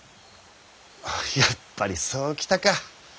やっぱりそう来たか。